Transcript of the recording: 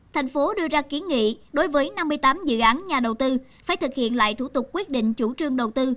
thành phố đưa ra kiến nghị đối với năm mươi tám dự án nhà đầu tư phải thực hiện lại thủ tục quyết định chủ trương đầu tư